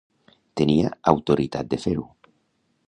Tenia autoritat de fer-ho